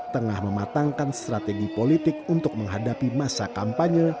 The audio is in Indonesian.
tengah mematangkan strategi politik untuk menghadapi masa kampanye